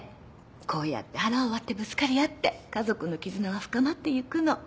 こうやって腹を割ってぶつかり合って家族の絆は深まっていくの。